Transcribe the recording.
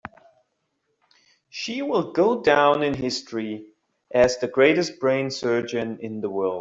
She will go down in history as the greatest brain surgeon in the world.